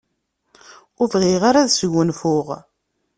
Ur bɣiɣ ara ad sgunfuɣ.